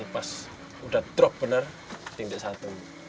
pas sudah drop benar tindik satu